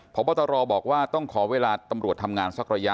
พบตรบอกว่าต้องขอเวลาตำรวจทำงานสักระยะ